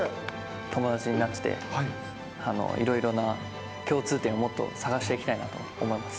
友達になって、いろいろな共通点をもっと探していきたいなと思います。